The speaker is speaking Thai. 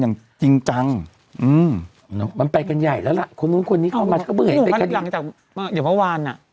อย่างเมื่อวาน